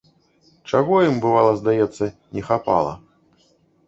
Чаго ім, бывала, здаецца, не хапала?